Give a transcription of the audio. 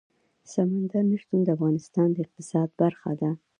سمندر نه شتون د افغانستان د اقتصاد برخه ده.